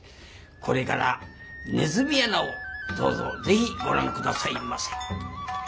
これから「ねずみ穴」をどうぞぜひご覧下さいませ。